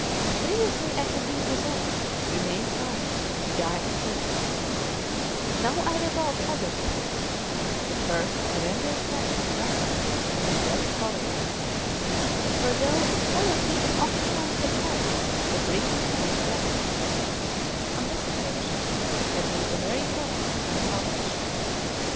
Previously I had been resolved to remain quiet and to die in peace; now I revolved other plans, but first I rendered thanks to God and blessed poverty; for though poverty is oftentimes the cause of bringing men to death, on this occasion it had been the very cause of my salvation.